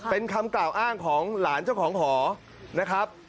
เป็นคำกล่าวอ้างของหลานเจ้าของหอนะครับ